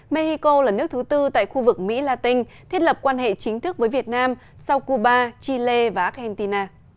mexico là nước thứ tư tại khu vực mỹ la tinh thiết lập quan hệ chính thức với việt nam sau cuba chile và argentina